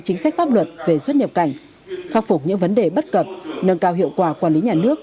chính sách pháp luật về xuất nhập cảnh khắc phục những vấn đề bất cập nâng cao hiệu quả quản lý nhà nước